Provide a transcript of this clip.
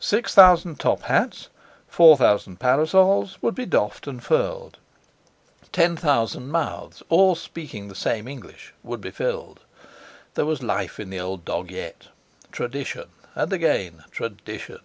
Six thousand top hats, four thousand parasols would be doffed and furled, ten thousand mouths all speaking the same English would be filled. There was life in the old dog yet! Tradition! And again Tradition!